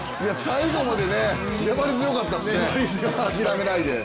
最後まで粘り強かったですね、諦めないで。